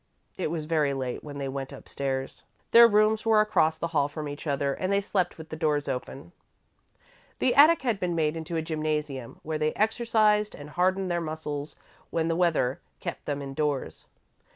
It was very late when they went up stairs. Their rooms were across the hall from each other and they slept with the doors open. The attic had been made into a gymnasium, where they exercised and hardened their muscles when the weather kept them indoors.